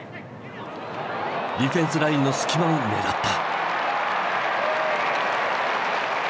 ディフェンスラインの隙間を狙った。